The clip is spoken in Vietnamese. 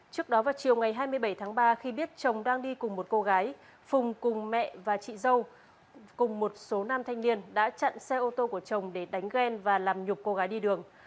trước đó vào chiều ngày hai mươi bảy tháng ba khi biết chồng đang đi cùng một cô gái phùng cùng mẹ và chị dâu cùng một số nam thanh niên đã chặn xe ô tô của chồng để đánh ghen và làm nhục cô gái đi đường